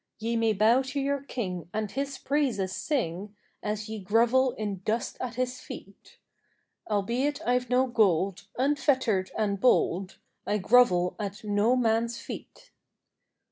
Ye may bow to your King, and his praises sing, As ye grovel in dust at his feet; Albeit I've no gold, unfettered and bold, I grovel at no man's feet.